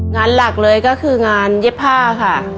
งานหลักเลยก็คืองานเย็บผ้าค่ะ